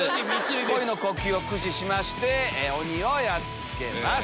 恋の呼吸を駆使しまして鬼をやっつけます。